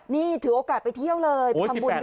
นี่ถือโอกาสไปเที่ยวเลยไปทำบุญด้วย